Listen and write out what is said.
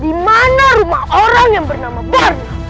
di mana rumah orang yang bernama bor